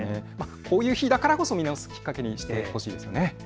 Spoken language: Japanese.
こういう日だからこそ見直すきっかけにしてほしいですよね。